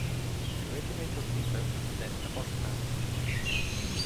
The regimental center is at Abbottabad.